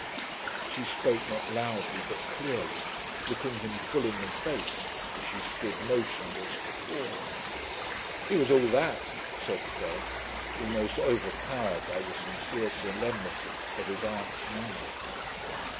She spoke not loudly, but clearly, looking him full in the face as she stood motionless before him. "He was all that," said Fred, almost overpowered by the sincere solemnity of his aunt's manner.